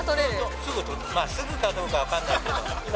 すぐ、すぐかどうか分かんないけど。